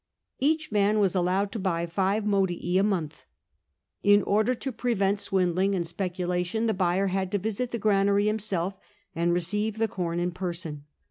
Each man was allowed to buy five modii a month. In order to prevent swindling and speculation, the buyer had to visit the granary himself and receive the corn in person.